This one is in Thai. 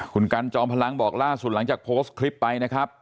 คุณกันจอมพลังบอกล่าสุดหลังจากโพสต์คลิปไปนะครับ